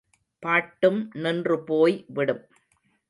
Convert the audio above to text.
பாட்டும் நின்றுபோய் விடும்.